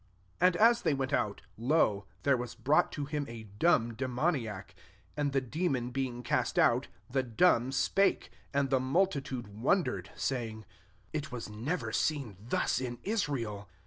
32 And as they went out, lo, there was brought to him a dumb demoniac 33 And the demon being cast out, the dumb spake ; and the multitude won dered, saying, "It was never seen thus in Israel."